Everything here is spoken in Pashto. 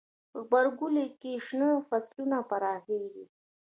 غبرګولی کې شنه فصلونه پراخیږي.